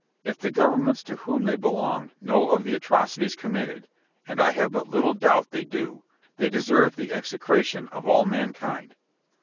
If the governments to whom they belong know of the atrocities committed (and I have but little doubt they do) they deserve the execration of all mankind.